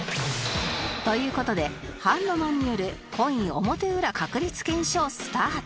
という事でハンドマンによるコイン表裏確率検証スタート